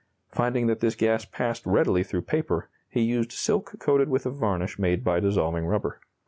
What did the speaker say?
Finding that this gas passed readily through paper, he used silk coated with a varnish made by dissolving rubber.